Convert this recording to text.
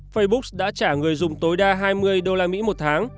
facebook đã trả người dùng tối đa hai mươi usd một tháng